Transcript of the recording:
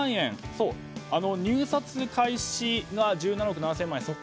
入札開始が１７億７０００万円。